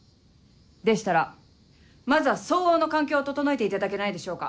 でしたらまずは相応の環境を整えていただけないでしょうか。